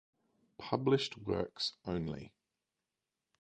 Published works only.